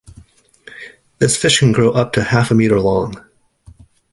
This fish can grow up to half a meter long.